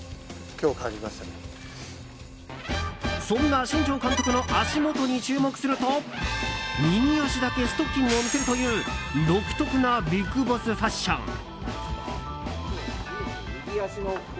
そんな新庄監督の足元に注目すると右足だけストッキングを見せるという独特なビッグボスファッション。